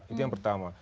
itu yang pertama